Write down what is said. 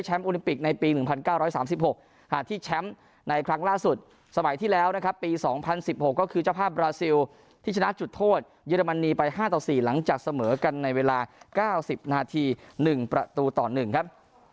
โอลิมปิกในปี๑๙๓๖หาดที่แชมป์ในครั้งล่าสุดสมัยที่แล้วนะครับปี๒๐๑๖ก็คือเจ้าภาพบราซิลที่ชนะจุดโทษเยอรมนีไป๕ต่อ๔หลังจากเสมอกันในเวลา๙๐นาที๑ประตูต่อ๑ครับ